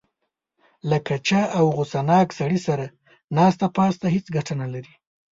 له کچه او غوسه ناک سړي سره ناسته پاسته هېڅ ګټه نه لري.